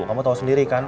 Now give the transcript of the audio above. kamu tau sendiri kan